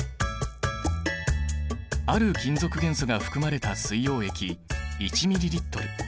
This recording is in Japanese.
ある金属元素が含まれた水溶液１ミリリットル。